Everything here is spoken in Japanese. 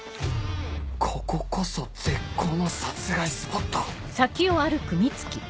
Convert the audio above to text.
こここそ絶好の殺害スポット！